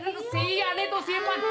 ngesiyan itu sih pan